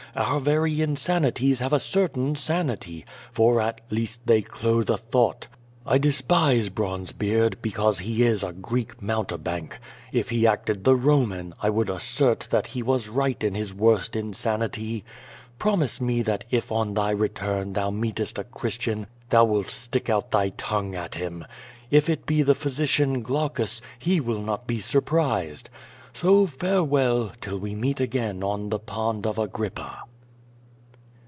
Our very insanities have a certain sanity, for at least they ch>the a thought. T despise l^ronzel>eard, because he is a Greek mountebank. If he acted the Soman, 1 would assert tliat he was riglit in his worst insanity. Promise me that if on tliy return thou meetest a Christian thou wilt stick out tliy tongue at Inm. If it be the ])liysician, (ilaucus, he will not be surprised. So farewell, till we meet again on the Pond of Agrippa."